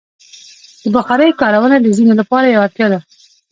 د بخارۍ کارونه د ځینو لپاره یوه اړتیا ده.